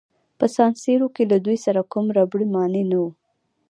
په سان سیرو کې له دوی سره کوم ربړي مانع نه وو.